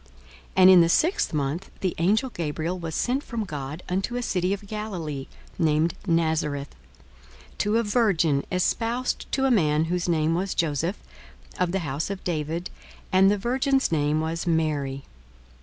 42:001:026 And in the sixth month the angel Gabriel was sent from God unto a city of Galilee, named Nazareth, 42:001:027 To a virgin espoused to a man whose name was Joseph, of the house of David; and the virgin's name was Mary.